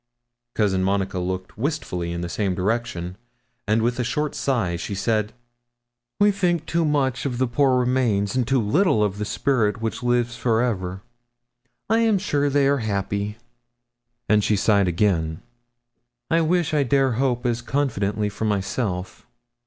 Cousin Monica looked wistfully in the same direction, and with a short sigh she said 'We think too much of the poor remains, and too little of the spirit which lives for ever. I am sure they are happy.' And she sighed again. 'I wish I dare hope as confidently for myself.